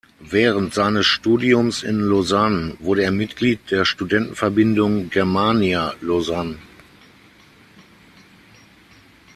Während seines Studiums in Lausanne wurde er Mitglied der Studentenverbindung Germania Lausanne.